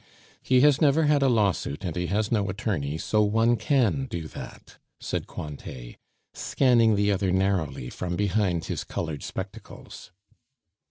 "He has never had a lawsuit, and he has no attorney, so one can do that," said Cointet, scanning the other narrowly from behind his colored spectacles.